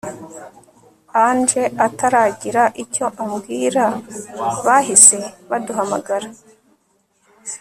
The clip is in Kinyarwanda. Angel ataragira icyo ambwira bahise baduhamagara